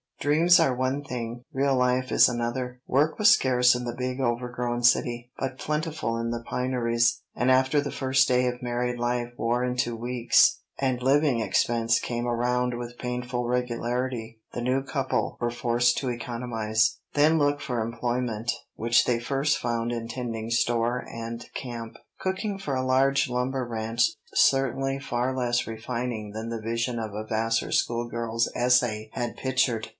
Dreams are one thing, real life is another; work was scarce in the big overgrown city, but plentiful in the pineries; and after the first day of married life wore into weeks, and living expense came around with painful regularity, the new couple were forced to economize, then look for employment, which they first found in tending store and camp, cooking for a large lumber ranch; certainly far less refining than the vision of a Vassar schoolgirl's essay had pictured.